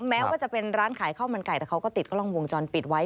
แม้ว่าจะเป็นร้านขายข้าวมันไก่แต่เขาก็ติดกล้องวงจรปิดไว้